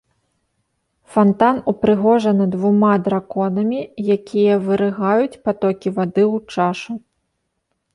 Фантан упрыгожаны двума драконамі, якія вырыгаюць патокі вады ў чашу.